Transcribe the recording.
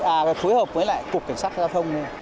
à phối hợp với lại cục cảnh sát giao thông